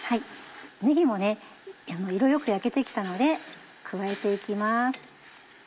ねぎも色良く焼けて来たので加えて行きます。